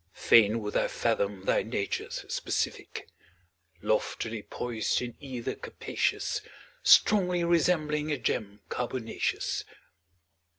Fain would I fathom thy nature's specific Loftily poised in ether capacious. Strongly resembling a gem carbonaceous.